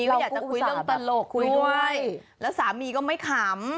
ก็อยากจะคุยเรื่องตลกคุยด้วยแล้วสามีก็ไม่ขำ